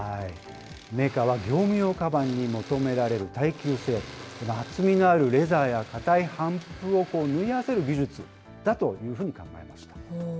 メーカーは業務用かばんに求められる耐久性、厚みのあるレザーやかたい帆布を縫い合わせる技術だというふうに考えました。